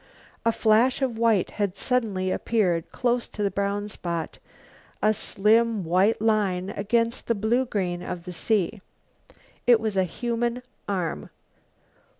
A flash of white had suddenly appeared close to the brown spot, a slim white line against the blue green of the sea. It was a human arm.